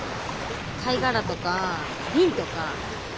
貝殻とかビンとか。